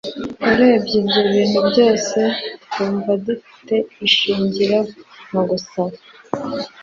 Urebye ibyo bintu byose twumva dufite ishingiro mu gusaba